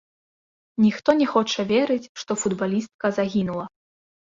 Ніхто не хоча верыць, што футбалістка загінула.